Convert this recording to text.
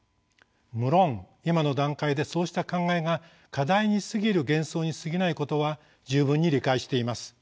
むろん今の段階でそうした考えが過大にすぎる幻想にすぎないことは十分に理解しています。